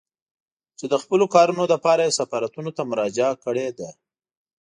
چې د خپلو کارونو لپاره يې سفارتونو ته مراجعه کړې ده.